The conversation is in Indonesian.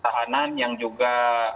tahanan yang juga